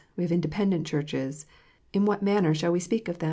We have Independent Churches. In what manner shall we speak of them?